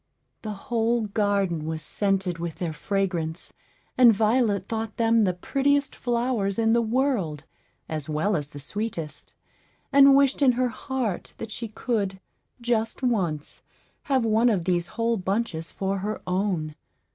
The whole garden was scented with their fragrance, and Violet thought them the prettiest flowers in the world, as well as the sweetest, and wished in her heart that she could, just once, have one of these whole bunches for her own.